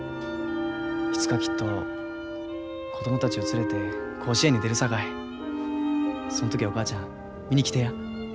いつかきっと子供たちを連れて甲子園に出るさかいその時はお母ちゃん見に来てや。